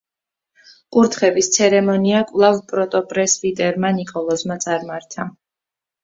კურთხევის ცერემონია კვლავ პროტოპრესვიტერმა ნიკოლოზმა წარმართა.